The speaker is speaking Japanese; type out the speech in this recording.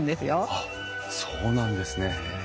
あっそうなんですね。